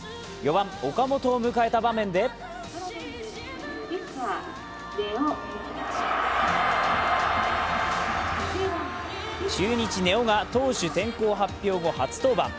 ４番・岡本を迎えた場面で中日・根尾が投手転向発表後初登板。